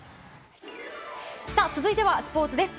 続いてはスポーツです。